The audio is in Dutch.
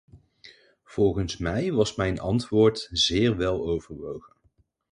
Volgens mij was mijn antwoord zeer weloverwogen.